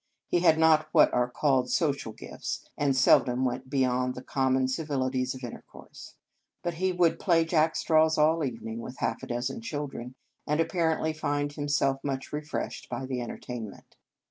He had not what are called " social gifts," and seldom went beyond the common civilities of intercourse. But he would play jackstraws all evening with half a dozen children, and apparently find himself much refreshed by the enter tainment.